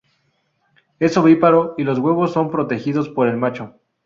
Es ovíparo y los huevos son protegidos por el macho.